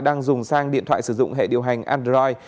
đang dùng sang điện thoại sử dụng hệ điều hành android